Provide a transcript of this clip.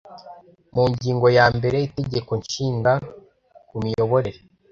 mu ngingo ya mbere y itegeko nshinga kumiyoborere